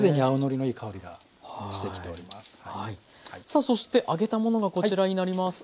さあそして揚げたものがこちらになります。